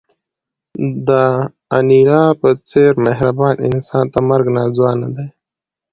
د انیلا په څېر مهربان انسان ته مرګ ناځوانه دی